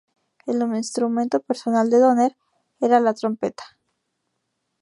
El instrumento personal de Donner era la trompeta.